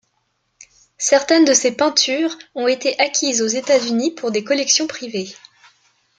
Certaines de ses peintures ont été acquises aux États-Unis pour des collections privées.